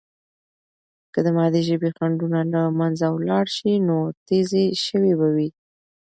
که د مادی ژبې خنډونه له منځه ولاړ سي، نو تیزي سوې به وي.